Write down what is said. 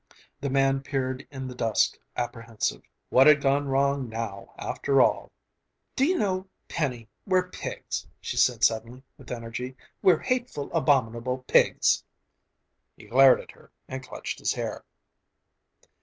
The man peered in the dusk, apprehensive. What had gone wrong, now, after all? "Do you know, Penny, we're pigs!" she said suddenly, with energy. "We're hateful, abominable pigs!" He glared at her and clutched his hair.